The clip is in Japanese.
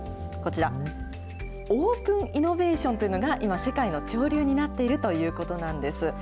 こちら、オープンイノベーションというのが今、世界の潮流になっているということなんです。